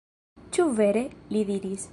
Ĉu vere? li diris.